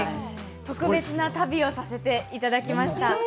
特別な旅をさせていただきました。